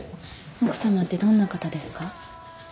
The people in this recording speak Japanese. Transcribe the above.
奥さまってどんな方ですか？